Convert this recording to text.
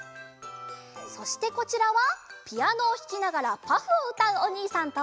そしてこちらはピアノをひきながら「パフ」をうたうおにいさんと。